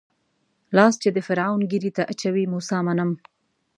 لاس چې د فرعون ږيرې ته اچوي موسی منم.